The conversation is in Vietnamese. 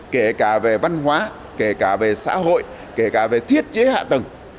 kể cả về văn hóa kể cả về xã hội kể cả về thiết chế hạ tầng